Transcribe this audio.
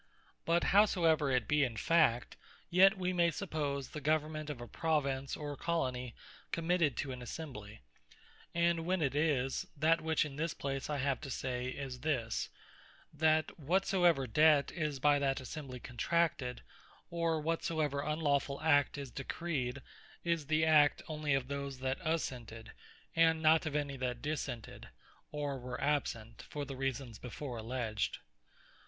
But howsoever it be in fact, yet we may suppose the Government of a Province, or Colony committed to an Assembly: and when it is, that which in this place I have to say, is this; that whatsoever debt is by that Assembly contracted; or whatsoever unlawfull Act is decreed, is the Act onely of those that assented, and not of any that dissented, or were absent, for the reasons before alledged.